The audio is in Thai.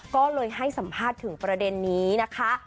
ก็เลยให้สัมภาษณ์ถึงประเด็นนี้นะคะ